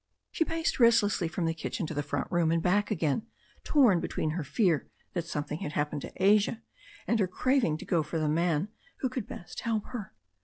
She paced restlessly from the kitchen to the front room and back again, torn between her fear that something had happened to Asia and her craving to go for the man who could best help her.